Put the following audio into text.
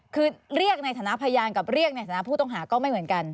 คือเรียกในฐานะพยานกับเรียกในฐานะผู้ต้องหาก็ไม่เหมือนกัน